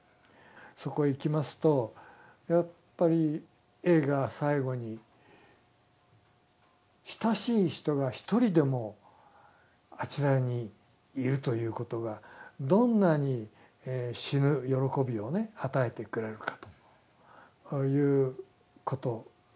そこへ行きますとやっぱりＡが最後に親しい人が一人でもあちらにいるということがどんなに死ぬ喜びをね与えてくれるかということでしたね。